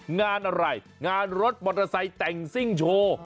งานอะไรงานรถมอเตอร์ไซค์แต่งซิ่งโชว์